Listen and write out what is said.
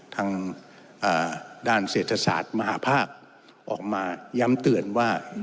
ทางด้านเศรษฐศาสตร์มหาภาคออกมาย้ำเตือนว่า